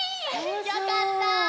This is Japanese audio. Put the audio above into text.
よかった。